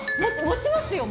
持ちますよ